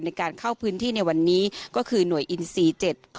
ในการเข้าพื้นที่ในวันนี้ก็คือหน่วยอินซี๗